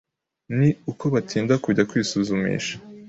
ni uko batinda kujya kwisuzumisha,